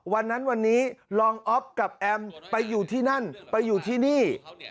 วันนั้นวันนี้รองอ๊อฟกับแอมไปอยู่ที่นั่นไปอยู่ที่นี่